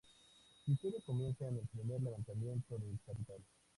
Su historia comienza con el primer levantamiento de capital.